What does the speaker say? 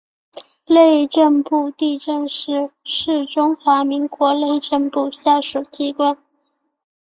内政部地政司是中华民国内政部下属机关。